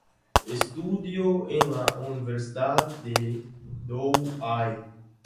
Estudió en la Universidad de Douai.